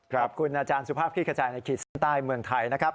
ขอบคุณอาจารย์สุภาพคิดขจายในคิดใต้เมืองไทยนะครับ